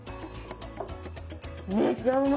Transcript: めちゃうま！